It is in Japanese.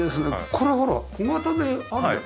これほら小型であるじゃん。